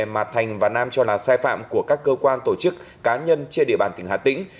mà thành và nam cho là sai phạm của các cơ quan tổ chức cá nhân trên địa bàn tỉnh hà tĩnh